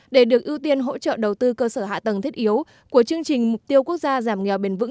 để được ưu tiên hỗ trợ đầu tư cơ sở hạ tầng thiết yếu của chương trình mục tiêu quốc gia giảm nghèo bền vững